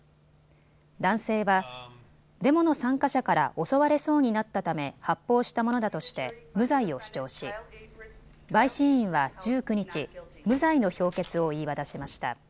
男性はデモの参加者から襲われそうになったため発砲したものだとして無罪を主張し陪審員は１９日、無罪の評決を言い渡しました。